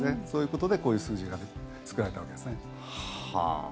そういうことでこういう数字が作られたわけですね。